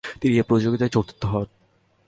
তিনি এই প্রতিযোগিতায় চতুর্থ হন।